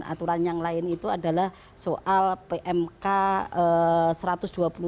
aturan yang lain itu adalah soal pmk satu ratus dua puluh tujuh dua ribu lima belas soal klasifikasi